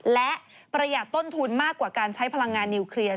และประหยัดต้นทุนมากกว่าการใช้พลังงานนิวเคลียร์